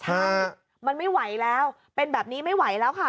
ใช่มันไม่ไหวแล้วเป็นแบบนี้ไม่ไหวแล้วค่ะ